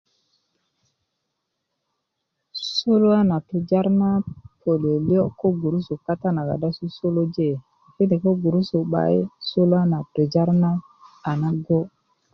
suluwa na tujar na pölyölyö ko gurusu kata naga do susuluji ile ko girusu 'bayi suluwa na tujar na anago'